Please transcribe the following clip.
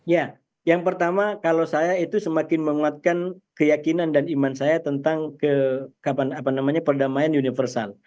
ya yang pertama kalau saya itu semakin menguatkan keyakinan dan iman saya tentang perdamaian universal